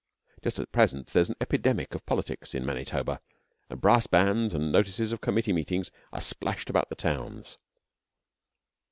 Just at present there is an epidemic of politics in Manitoba, and brass bands and notices of committee meetings are splashed about the towns.